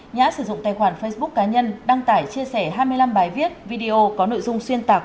nhã sử dụng tài khoản facebook cá nhân đăng tải chia sẻ hai mươi năm bài viết video có nội dung xuyên tạc